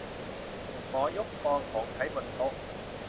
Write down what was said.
หมอยกกองของใช้บนโต๊ะ